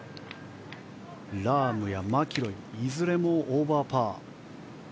ラーム、マキロイいずれもオーバーパー。